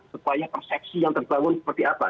supaya persepsi yang terbangun seperti apa